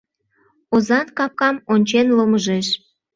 Озан капкам ончен ломыжеш;